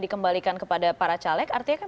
dikembalikan kepada para caleg artinya kan